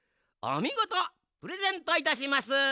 おみごとプレゼントいたします。